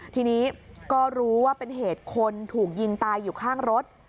ทีนี้ก็รู้ว่าเป็นเหตุคนถูกยิงตายอยู่ข้างรถ